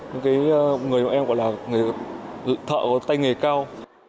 cái người mà em gọi là người thợ có tay nghề cao